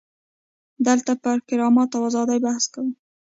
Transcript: دلته پر کرامت او ازادۍ بحث کوو.